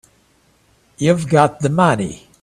You've got the money.